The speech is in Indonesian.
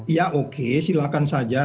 ya oke silakan saja